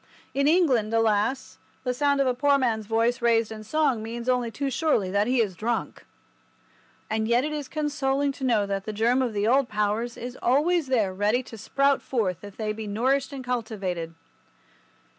In England, alas, the sound of a poor man's voice raised in song means only too surely that he is drunk. And yet it is consoling to know that the germ of the old powers is always there ready to sprout forth if they be nourished and cultivated.